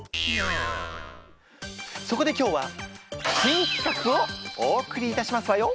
そこで今日は新企画をお送りいたしますわよ。